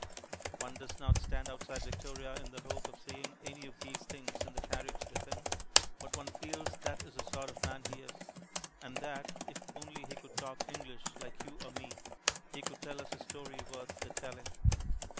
One does not stand outside Victoria in the hope of seeing any of these things in the carriage with him, but one feels that is the sort of man he is, and that if only he could talk English like you or me, he could tell us a story worth the telling.